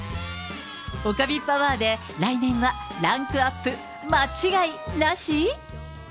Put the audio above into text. おかみパワーで来年はランクアップ間違いなし？